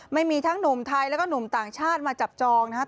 ไม่มีทั้งหนุ่มไทยแล้วก็หนุ่มต่างชาติมาจับจองนะครับ